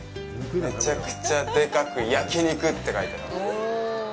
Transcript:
めちゃくちゃでかく「焼肉」って書いてあります。